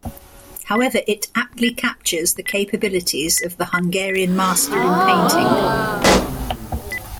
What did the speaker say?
However, it aptly captures the capabilities of the Hungarian master in painting.